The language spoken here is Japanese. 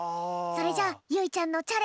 それじゃゆいちゃんのチャレンジ